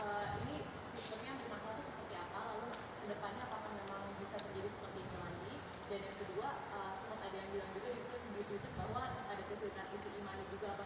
lalu sedepannya apakah memang bisa terjadi seperti ini lagi